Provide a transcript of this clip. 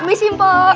iya sih mpok